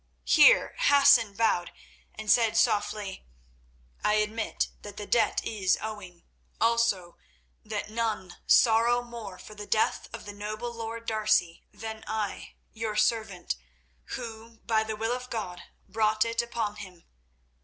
Here Hassan bowed, and said softly: "I admit that the debt is owing; also that none sorrow more for the death of the noble lord D'Arcy than I, your servant, who, by the will of God, brought it upon him.